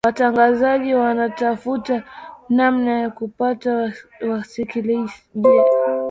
watangazaji wanatafuta namna ya kupata wasikilizaji